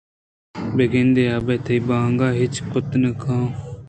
بِہ گندے آ بے تئی بانگاں ہچ کُت مہ کناں